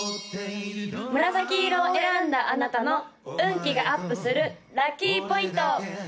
紫色を選んだあなたの運気がアップするラッキーポイント！